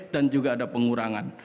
dan juga ada pengurangan